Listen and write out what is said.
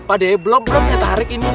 mbak de belum belum saya tarik ini